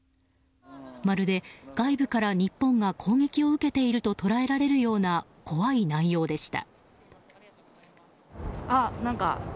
まるで、外部から日本が攻撃を受けていると捉えられるような怖い内容でした。